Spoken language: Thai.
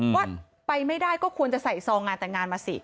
ว่าไปไม่ได้ก็ควรจะใส่ซองงานแต่งงานมาสิ